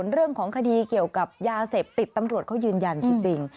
เรื่องของคดีเกี่ยวกับยาเสพติดตำรวจเขายืนยันจริง